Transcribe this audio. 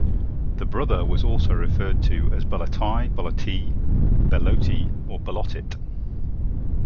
The brother was also referred to as "Belloti", "Belloty", "Beloty", or "Bellottit".